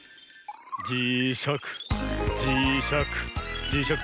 じしゃくじしゃくじしゃく